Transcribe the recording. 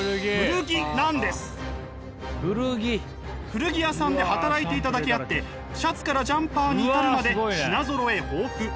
古着屋さんで働いていただけあってシャツからジャンパーに至るまで品ぞろえ豊富。